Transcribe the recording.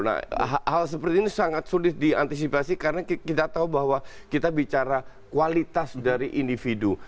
nah hal seperti ini sangat sulit diantisipasi karena kita tahu bahwa kita bicara kualitas dari individu